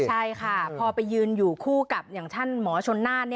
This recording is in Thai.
ใช่ค่ะพอไปยืนอยู่คู่กับอย่างท่านหมอชนน่าน